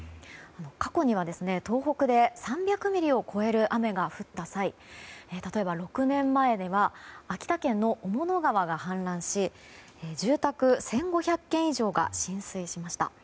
過去には東北で３００ミリを超える雨が降った際例えば、６年前では秋田県の雄物川が氾濫し住宅１５００軒以上が浸水しました。